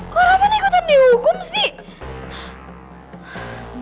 kok orang orang ikutan di hukum sih